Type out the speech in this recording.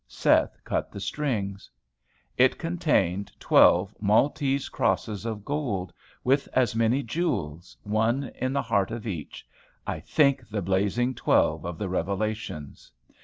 Seth cut the strings. It contained twelve Maltese crosses of gold, with as many jewels, one in the heart of each, I think the blazing twelve of the Revelations.